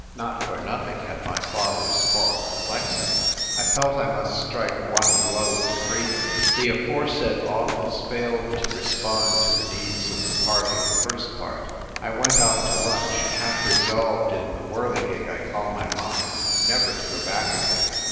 Not for nothing had my fathers fought at Lexington. I felt I must strike one blow for freedom. The aforesaid office failed to respond to the needs of the party of the first part. I went out to lunch, half resolved in the whirligig I call my mind never to go back again.